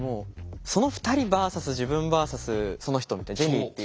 その２人ｖｓ．自分ｖｓ．その人みたいなジェニーっていう。